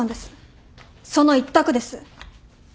その一択です。